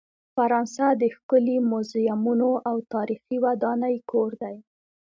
فرانسه د ښکلې میوزیمونو او تاریخي ودانۍ کور دی.